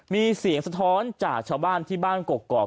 มีเสียงสะท้อนจากชาวบ้านที่บ้านกกอก